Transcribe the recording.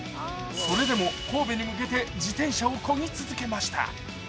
それでも神戸に向けて自転車をこぎ続けました。